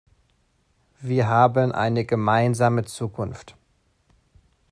Wir haben eine gemeinsame Zukunft.